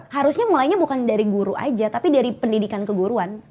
harusnya mulainya bukan dari guru aja tapi dari pendidikan keguruan